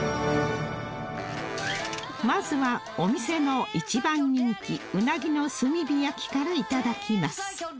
まずはお店の一番人気うなぎの炭火焼きからいただきます